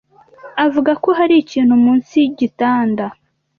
Avuga ko hari ikintu munsi yigitanda.